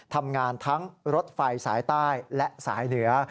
ทำงานทั้งรถไฟสายใต้และสายเหนือ